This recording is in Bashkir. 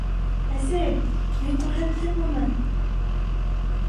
— Әсәй, мин күрһәттем уны...